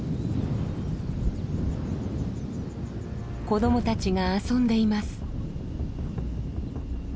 子どもたちが遊んでいます。